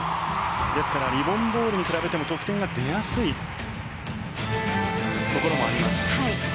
ですからリボン・ボールに比べても得点が出やすいところもあります。